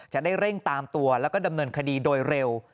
จะได้เร่งตามตัวแล้วก็ดำเนินคดีโดยเร็ว